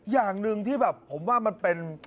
อย่างหนึ่งที่แบบผมว่ามันเป็น